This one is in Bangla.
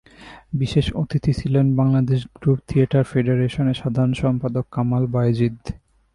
বিশেষ অতিথি ছিলেন বাংলাদেশ গ্রুপ থিয়েটার ফেডারেশানের সাধারণ সম্পাদক কামাল বায়েজীদ।